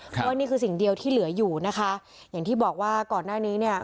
เพราะว่านี่คือสิ่งเดียวที่เหลืออยู่นะคะอย่างที่บอกว่าก่อนหน้านี้เนี่ย